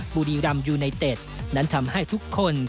บุรีรำยูไนเต็ดนั้นทำให้ทุกคน